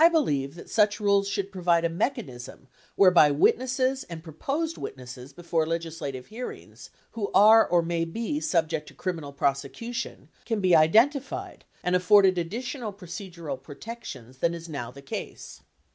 1108 that such rules should provide a mechanism whereby witnesses and proposed witnesses before legislative hearings, who are or may be sub ject to criminal prosecution, can be identified and afforded additional procedural protections than is now the case.